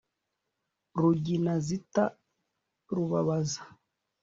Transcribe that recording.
Rugina zita rubabaza,